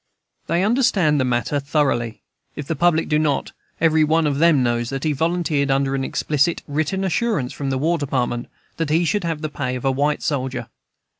They understand the matter thoroughly, if the public do not Every one of them knows that he volunteered under an explicit written assurance from the War Department that he should have the pay of a white soldier.